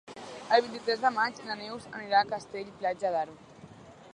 El vint-i-tres de maig na Neus anirà a Castell-Platja d'Aro.